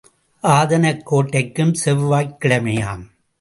ஆதனக் கோட்டைக்கும் செவ்வாய்க் கிழமையாம்.